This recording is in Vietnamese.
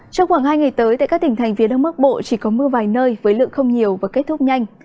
trong khoảng hai ngày tới tại các tỉnh thành phía đông bắc bộ chỉ có mưa vài nơi với lượng không nhiều và kết thúc nhanh